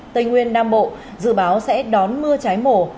tây nguyên nam bộ dự báo sẽ đón mưa trái mùa